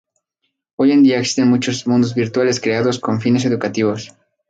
Hoy en día existen muchos Mundos Virtuales creados con fines educativos.